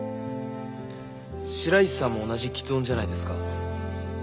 白石さんも同じ吃音じゃないですか。